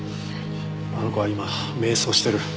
あの子は今迷走してる。